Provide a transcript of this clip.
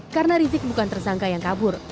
karena rizik bukan tersangka yang kabur